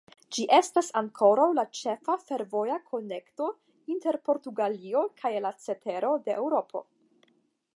Ĝi estas ankoraŭ la ĉefa fervoja konekto inter Portugalio kaj la cetero de Eŭropo.